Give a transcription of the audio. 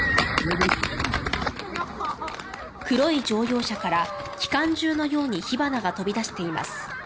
黒い乗用車から機関銃のように火花が飛び出しています。